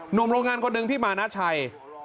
หนุ่มโรงงานคนหนึ่งพี่มานาชัย